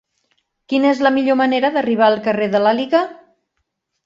Quina és la millor manera d'arribar al carrer de l'Àliga?